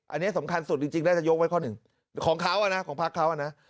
อันนี้สำคัญสุดจริงน่าจะยกไว้ข้อหนึ่งของเขาอ่ะนะของพักเขาอ่ะนะ